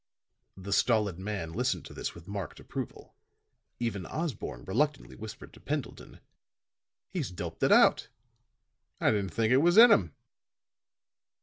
The stolid man listened to this with marked approval. Even Osborne reluctantly whispered to Pendleton: "He's doped it out. I didn't think it was in him."